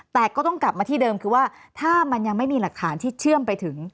แต่ก็ต้องกลับมาที่เดิมคือว่าถ้ามันยังไม่มีหลักฐานที่เชื่อมไปถึง